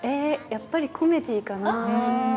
やっぱり、コメディーかな。